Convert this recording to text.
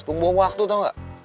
bung bung waktu tau nggak